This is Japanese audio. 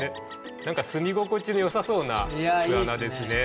何か住み心地のよさそうな巣穴ですね。